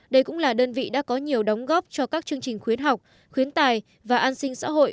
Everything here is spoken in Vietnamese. đây cũng là đơn vị đã có nhiều đóng góp cho các chương trình khuyến học khuyến tài và an sinh xã hội